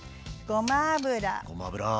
ごま油。